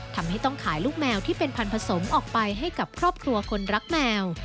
ทำให้ต้องขายลูกแมวที่เป็นพันธสมออกไปให้กับครอบครัวคนรักแมว